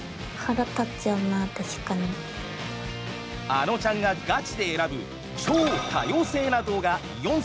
あのちゃんがガチで選ぶ「ちょう、多様性。」な動画４選。